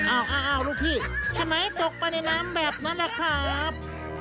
อ้าวลูกพี่ฉะไหนตกไปในน้ำแบบนั้นแหละครับ